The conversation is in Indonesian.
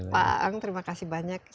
pak aang terima kasih banyak